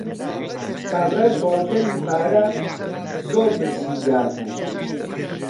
کابرای سواڵکەری پارە، زۆر برسی دیار بوو.